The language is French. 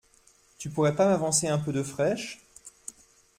tu pourrais pas m’avancer un peu de fraîche ?